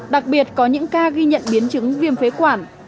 đặc biệt có những ca ghi nhận biến chứng viêm phế quản